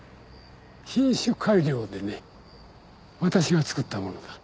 品種改良でね私が作ったものだ。